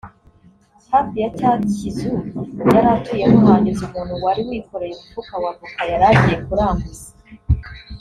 hafi ya cya kizu yari atuyemo hanyuze umuntu wari wikoreye umufuka wa Avoka yari agiye kuranguza